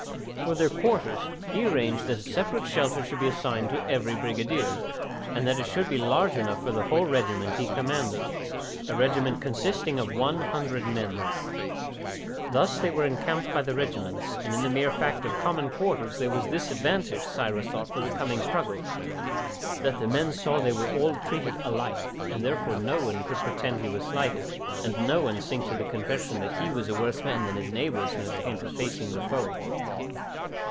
For their quarters, he arranged that a separate shelter should be assigned to every brigadier, and that it should be large enough for the whole regiment he commanded; a regiment consisting of 100 men. Thus they were encamped by regiments, and in the mere fact of common quarters there was this advantage, Cyrus thought, for the coming struggle, that the men saw they were all treated alike, and therefore no one could pretend that he was slighted, and no one sink to the confession that he was a worse man than his neighbours when it came to facing the foe.